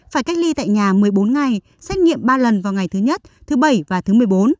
phải cách ly tại nhà một mươi bốn ngày xét nghiệm ba lần vào ngày thứ nhất thứ bảy và thứ một mươi bốn